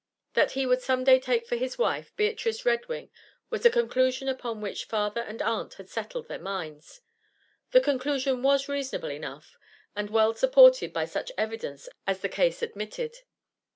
That he would some day take for his wife Beatrice Redwing was a conclusion upon which father and aunt had settled their minds; the conclusion was reasonable enough, and well supported by such evidence as the ease admitted.